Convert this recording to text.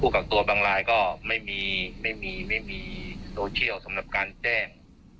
ผู้กับตัวบางลายก็ไม่มีโตเชียลสำหรับการแจ้ง